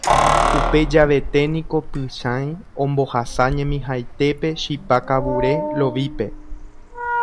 Upe javete niko Pychãi ombohasa ñemihaitépe chipa kavure Lovípe.